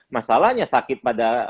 masalahnya sakit pada